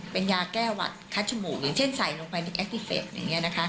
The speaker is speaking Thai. เป็นยาแก้หวัดคัดจมูกอย่างเช่นใส่ลงไปในแอคติเสร็จอย่างนี้นะคะ